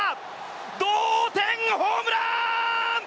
同点ホームラン！